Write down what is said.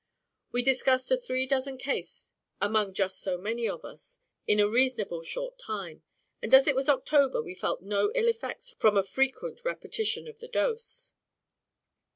We discussed a three dozen case among just so many of us, in a reasonable short time; and as it was October, we felt no ill effects from a frequent repetition of the dose.